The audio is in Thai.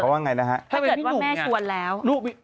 ถ้าเกิดว่าแม่ชวนแล้ว